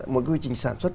một quy trình sản xuất